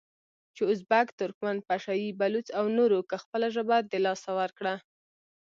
چې ازبک، ترکمن، پشه یي، بلوڅ او نورو که خپله ژبه د لاسه ورکړه،